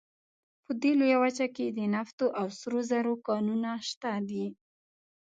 په دې لویه وچه کې د نفتو او سرو زرو کانونه شته دي.